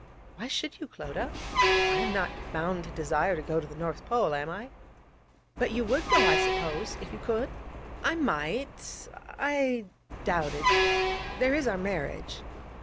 'Why should you, Clodagh? I am not bound to desire to go to the North Pole, am I?' 'But you would go, I suppose, if you could?' 'I might I doubt it. There is our marriage....'